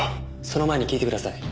その前に聞いてください。